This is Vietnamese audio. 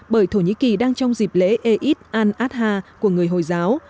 bởi thổ nhĩ kỳ đang trong dịp lễ eid al adha của người hồi giáo